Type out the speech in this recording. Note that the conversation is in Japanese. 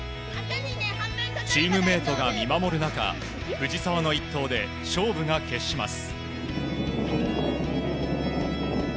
チームメートが見守る中藤澤の１投で勝負が決します。